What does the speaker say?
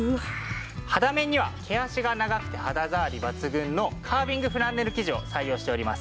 肌面には毛足が長くて肌ざわり抜群のカービングフランネル生地を採用しております。